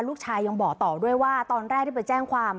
ลูกชายยังบอกต่อด้วยว่าตอนแรกที่ไปแจ้งความ